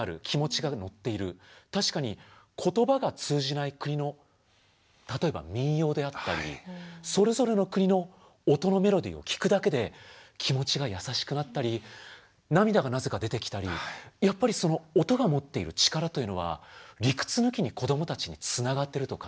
確かに言葉が通じない国の例えば民謡であったりそれぞれの国の音のメロディーを聴くだけで気持ちが優しくなったり涙がなぜか出てきたりやっぱりその音が持っている力というのは理屈抜きに子どもたちにつながってると感じました。